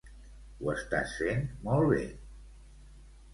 Ho estàs fent molt bé.